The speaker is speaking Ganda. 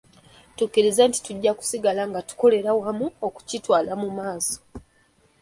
Tukkiriza nti tujja kusigala nga tukolera wamu okukitwala mu maaso .